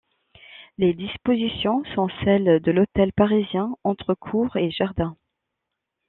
Les dispositions sont celles de l'hôtel parisien entre cour et jardin.